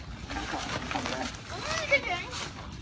สาธารณ์ใจมันเอาหางเขาก่อน